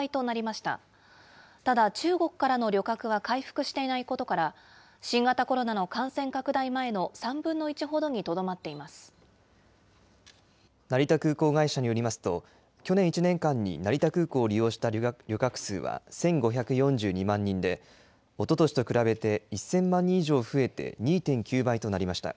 ただ中国からの旅客は回復していないことから、新型コロナの感染拡大前の３分の１ほどにとどまっ成田空港会社によりますと、去年１年間に成田空港を利用した旅客数は１５４２万人で、おととしと比べて１０００万人以上増えて２．９倍となりました。